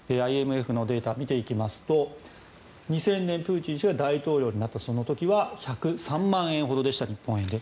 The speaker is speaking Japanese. ＩＭＦのデータを見ていきますと２０００年、プーチン氏が大統領になったその時は１０３万円ほどでした日本円で。